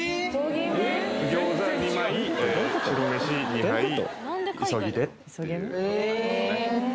餃子２枚白飯２杯急ぎでっていうことになりますね